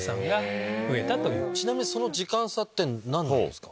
ちなみにその時間差って何ですか？